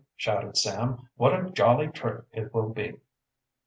shouted Sam. "What a jolly trip it will be!"